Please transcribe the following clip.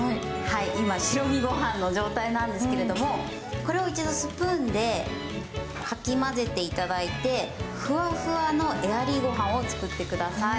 今、白身ご飯の状態なんですけれども、これを一度スプーンでかき混ぜていただいて、ふわふわのエアリー御飯を作ってください。